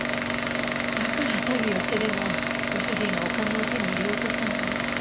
だから詐欺をしてでもご主人はお金を手に入れようとしたのね。